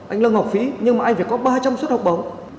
anh nâng học phí nhưng mà anh phải có ba trăm linh suất học bổng